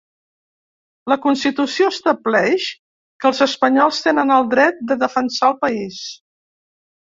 La Constitució estableix que els espanyols tenen el dret de defensar el país.